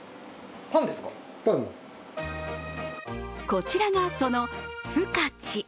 こちらが、そのふかち。